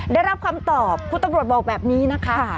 ได้รับคำตอบคุณตำรวจบอกแบบนี้นะคะ